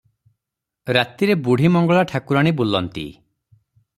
ରାତିରେ ବୁଢ଼ୀମଙ୍ଗଳା ଠାକୁରାଣୀ ବୁଲନ୍ତି ।